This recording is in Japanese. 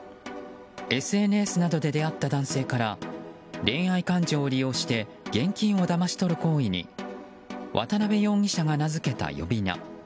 ＳＮＳなどで出会った男性から恋愛感情を利用して現金をだまし取る行為に渡辺容疑者が名付けた呼び名。